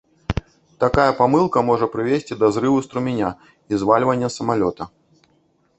Такая памылка можа прывесці да зрыву струменя і звальвання самалёта.